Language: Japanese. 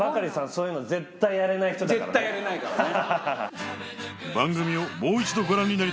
そういうの絶対やれない人だから絶対やれないからね